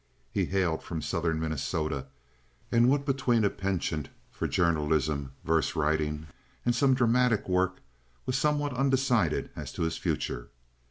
He hailed from southern Minnesota, and what between a penchant for journalism, verse writing, and some dramatic work, was somewhat undecided as to his future.